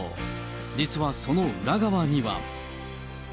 実はその裏側には。